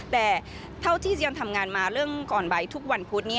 แต่เท่าที่เตรียมทำงานมาเรื่องก่อนบ่ายทุกวันพุธ